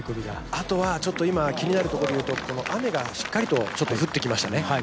あとは気になるところでいうと、雨が結構しっかりと降ってきましたね。